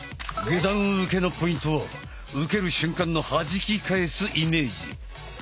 下段受けのポイントは受ける瞬間の弾き返すイメージ。